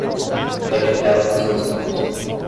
Pegue a tela com as duas mãos